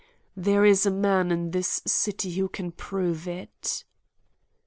There is a man in this city who can prove it."